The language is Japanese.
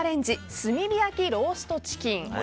炭焼きローストチキン。